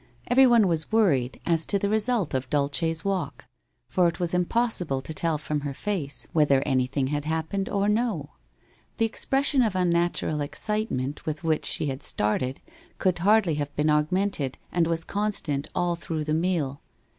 Everyone was worried as to the re sult of Dulce's walk, for it was impossible to tell from her face whether anything had happened or no. The expression of unnatural excitement with which she had started could hardly have been augmented and was constant all through the meal.